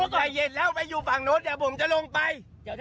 ใจเย็นแล้วไปอยู่ฝั่งนู้นเดี๋ยวผมจะลงไป